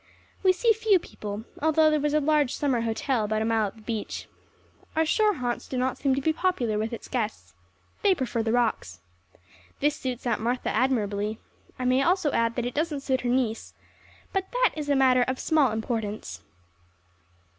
We see few people, although there is a large summer hotel about a mile up the beach. Our shore haunts do not seem to be popular with its guests. They prefer the rocks. This suits Aunt Martha admirably. I may also add that it doesn't suit her niece but that is a matter of small importance.